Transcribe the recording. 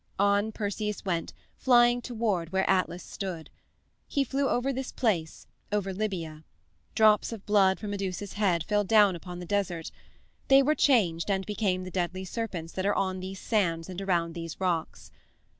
On Perseus went, flying toward where Atlas stood. He flew over this place, over Libya. Drops of blood from Medusa's head fell down upon the desert. They were changed and became the deadly serpents that are on these sands and around these rocks.